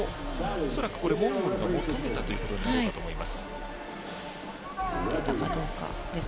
恐らく、モンゴルが求めたということになると思います。